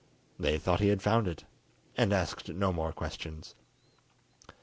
They thought he had found it, and asked no more questions.